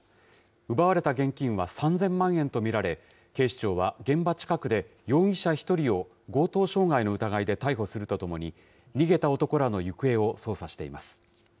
奪われた現金は３０００万円と見られ、警視庁は現場近くで容疑者１人を強盗傷害の疑いで逮捕するとともに、逃げた男らの行方を捜査しています。